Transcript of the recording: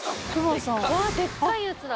でっかいやつだ。